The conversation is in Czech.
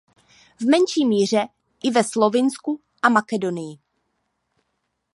V menší míře i ve Slovinsku a Makedonii.